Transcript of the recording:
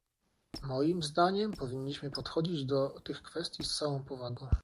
Moim zdaniem powinniśmy podchodzić do tych kwestii z całą powagą